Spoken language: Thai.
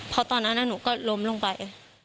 เพราะตอนนั้นหนูก็ล้มลงไป